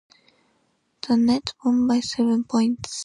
The Nets won by seven points.